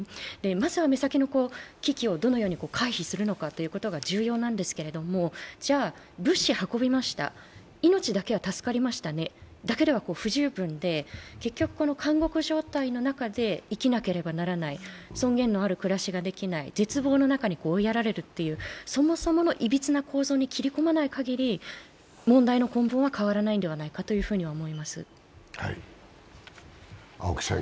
まずは目先の危機をどのように回避するのかが重要ですけれども、じゃあ、物資を運びました、命だけは助かりましたねだけでは不十分で結局、監獄状態の中で生きなければならない尊厳のある暮らしができない、絶望の中に追いやられるというそもそものいびつな構造に切り込まないかぎり問題の構造は変わらないのではないかと思います。